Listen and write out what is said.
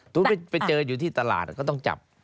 ไปเจออยู่ที่ตลาดก็ต้องจับ